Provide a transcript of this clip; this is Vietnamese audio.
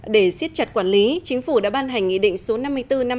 để xiết chặt quản lý chính phủ đã ban hành nghị định số năm mươi bốn năm hai nghìn hai mươi